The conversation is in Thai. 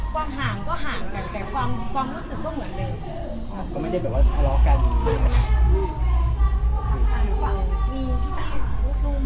ความห่างก็ห่างกันแต่ความรู้สึกก็เหมือนเดิม